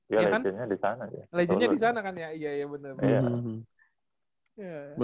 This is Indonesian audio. iya legendnya di sana